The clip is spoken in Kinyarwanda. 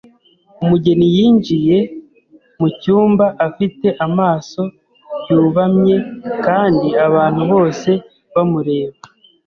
Umugeni yinjiye mucyumba afite amaso yubamye kandi abantu bose bamureba.